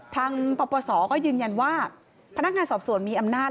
ปปศก็ยืนยันว่าพนักงานสอบสวนมีอำนาจ